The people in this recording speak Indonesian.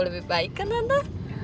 lebih baik kan tante